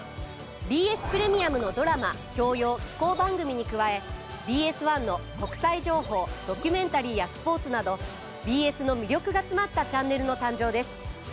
ＢＳプレミアムのドラマ教養紀行番組に加えＢＳ１の国際情報ドキュメンタリーやスポーツなどＢＳの魅力が詰まったチャンネルの誕生です。